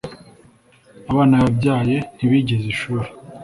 abana yabyaye ntibigeze ishuri